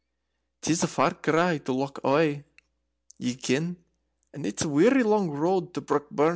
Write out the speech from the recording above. It's a far cry to Loch Awe, ye ken, and it's a weary long road to Brockburn."